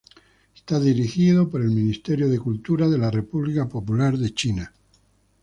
Está dirigido por el Ministerio de Cultura de la República Popular de China.